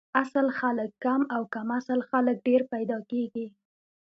اصل خلک کم او کم اصل خلک ډېر پیدا کیږي